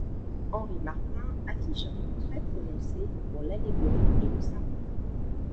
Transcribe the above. Henri Martin affiche un goût très prononcé pour l'allégorie et le symbole.